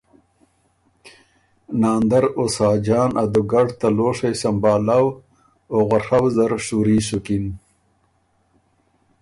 ناندر او ساجان ا دُوګډ ته لوشئ سمبهالؤ او غوَڒؤ زر شُوري سُکِن۔